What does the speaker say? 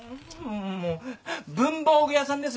もう文房具屋さんです。